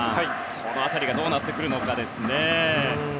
この辺りがどうなってくるかですね。